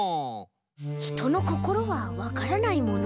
ひとのこころはわからないものです。